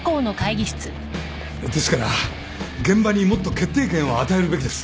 ですから現場にもっと決定権を与えるべきです。